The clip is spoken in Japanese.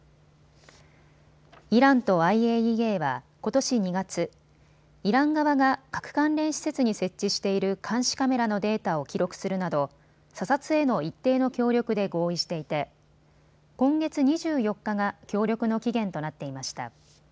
イランとＩＡＥＡはことし２月、イラン側が核関連施設に設置している監視カメラのデータを記録するなど査察への一定の協力で合意していて今月２４日が協力の期限となっていました。